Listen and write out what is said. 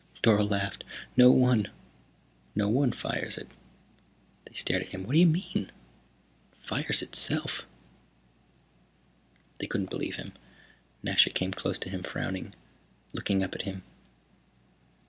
Dorle laughed. "No one. No one fires it." They stared at him. "What do you mean?" "It fires itself." They couldn't believe him. Nasha came close to him, frowning, looking up at him.